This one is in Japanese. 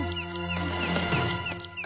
あ！